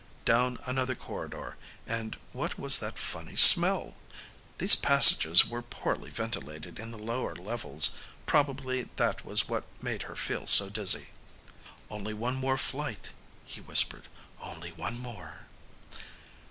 Down another corridor, and what was that funny smell? These passages were poorly ventilated in the lower levels; probably that was what made her feel so dizzy. "Only one more flight," he whispered. "Only one more."